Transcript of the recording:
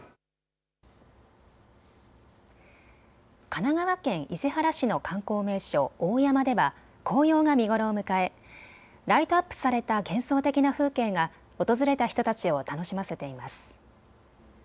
神奈川県伊勢原市の観光名所大山では紅葉が見頃を迎えライトアップされた幻想的な風景が訪れた人たちを楽しませています。